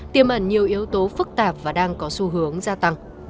tiêm ẩn nhiều yếu tố phức tạp và đang có xu hướng gia tăng